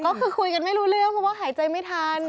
ก็คือคุยกันไม่รู้เรื่องเพราะว่าหายใจไม่ทัน